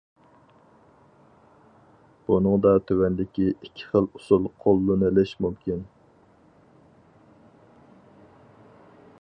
بۇنىڭدا تۆۋەندىكى ئىككى خىل ئۇسۇل قوللىنىلىش مۇمكىن.